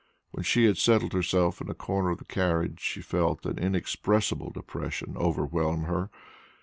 When she had settled herself in a corner of the carriage, she felt an inexpressible depression overwhelm her.